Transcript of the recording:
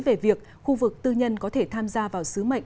về việc khu vực tư nhân có thể tham gia vào sứ mệnh